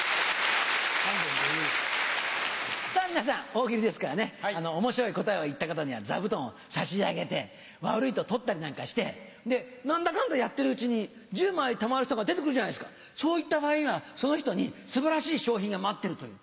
さあ、皆さん、大喜利ですからね、おもしろい答えを言った方には座布団を差し上げて、悪いと取ったりなんかして、で、なんだかんだやってるうちに、１０枚たまる人が出てくるじゃないですか、そういった場合には、その人にすばらしい賞品が待っているという。